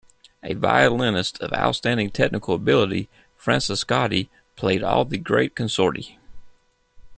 A violinist of outstanding technical ability, Francescatti played all of the great concerti.